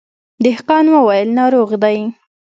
دهقان وويل ناروغ دی.